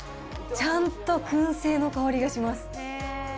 ちゃんとくん製の香りがします。